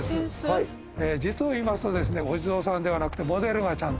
実を言いますとですねお地蔵さんではなくて。